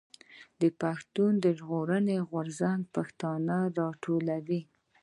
پښتون ژغورني غورځنګ پښتانه راټولوي.